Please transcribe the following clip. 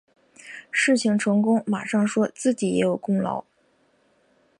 事情成功马上说自己也有功劳